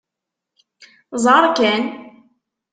Ẓer kan!